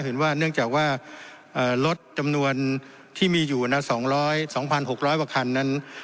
เห็นว่าเนื่องจากว่าลดจำนวนที่มีอยู่นะ๒๖๐๐กว่าคันนั้น